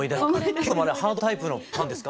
結構あれハードタイプのパンですか？